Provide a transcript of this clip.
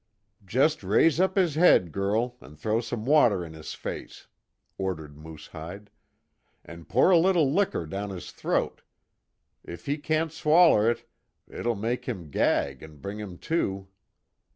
"Jest raise up his head, girl, an' throw some water in his face," ordered Moosehide, "An' pour a little licker down his throat. If he can't swaller it, it'll make him gag an' bring him to."